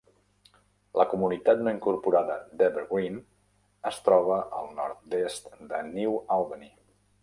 La comunitat no incorporada d'Evergreen es troba al nord-est de New Albany.